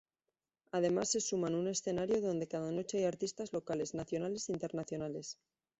Además se suma un escenario donde cada noche hay artistas locales, nacionales e internacionales.